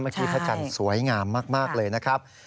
พระจันทร์สวยงามมากเลยนะครับ